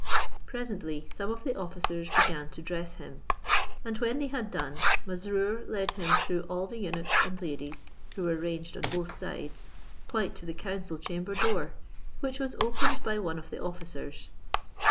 Presently some of the officers began to dress him; and when they had done, Mesrour led him through all the eunuchs and ladies, who were ranged on both sides, quite to the council chamber door, which was opened by one of the officers.